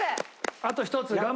あと一つ。